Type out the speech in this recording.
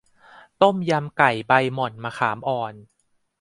ต้มยำไก่ใบหม่อนมะขามอ่อน